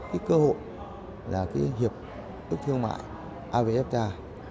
thì cơ hội là cái hiệp ước thương mại ebfta